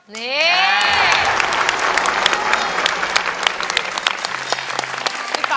สวัสดีครับ